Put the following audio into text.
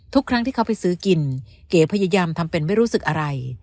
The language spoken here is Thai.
ทุกครั้งที่เขาไปซื้อกินเก๋พยายามทำเป็นไม่รู้สึกอะไร